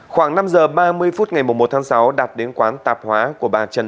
khoảng năm giờ ba mươi phút ngày một mươi một tháng sáu đặt đến quán tạp hóa của bà trần